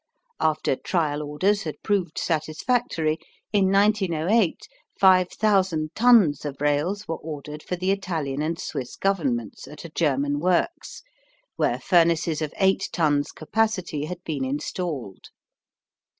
After trial orders had proved satisfactory, in 1908 5,000 tons of rails were ordered for the Italian and Swiss governments at a German works, where furnaces of eight tons capacity had been installed.